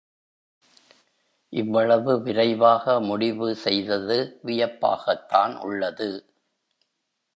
இவ்வளவு விரைவாக முடிவு செய்தது வியப்பாகத்தான் உள்ளது.